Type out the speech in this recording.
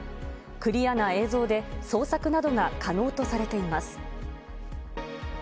クリアな映像で、捜索などが可能とされています。